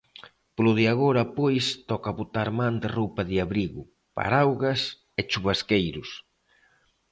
Polo de agora, pois, toca botar man de roupa de abrigo, paraugas e chuvasqueiros.